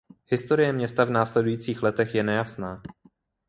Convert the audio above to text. Historie města v následujících letech je nejasná.